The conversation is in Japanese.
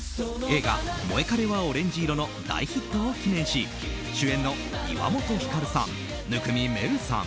映画「モエカレはオレンジ色」の大ヒットを記念し主演の岩本照さん、生見愛瑠さん